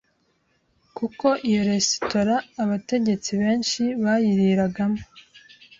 kuko iyo resitora abategetsi benshi bayiriragamo